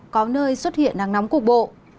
có nơi xuất hiện nắng nóng cục bộ